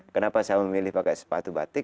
kenapa saya memilih pakai sepatu batik